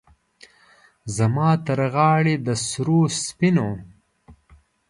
زما ترغاړې د سرو، سپینو،